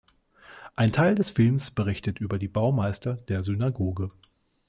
Ein Teil des Filmes berichtet über die Baumeister der Synagoge.